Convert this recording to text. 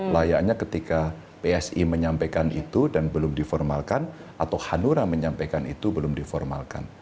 layaknya ketika psi menyampaikan itu dan belum diformalkan atau hanura menyampaikan itu belum diformalkan